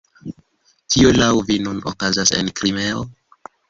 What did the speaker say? Kio laŭ vi nun okazas en Krimeo?